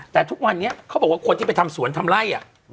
แต่ทุกวันนี้เขาบอกว่าคนที่ไปทำสวนทำไล่